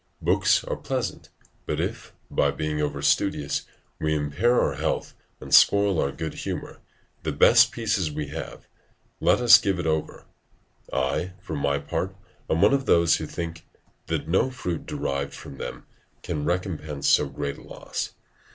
Books are pleasant, but if, by being over studious, we impair our health and spoil our goodhumour, the best pieces we have, let us give it over; I, for my part, am one of those who think, that no fruit derived from them can recompense so great a loss.